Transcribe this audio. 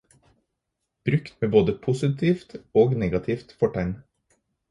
Brukt med både positivt og negativt fortegn.